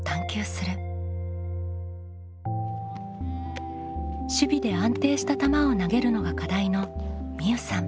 「守備で安定した球を投げる」のが課題のみうさん。